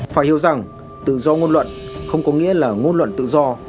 phải hiểu rằng tự do ngôn luận không có nghĩa là ngôn luận tự do